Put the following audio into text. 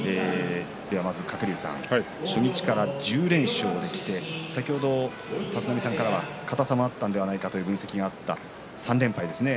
鶴竜さん、初日から１０連勝できて先ほど立浪さんからは硬さがあったという分析がありましたが３連敗ですね。